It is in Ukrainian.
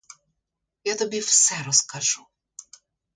Я тобі все розкажу.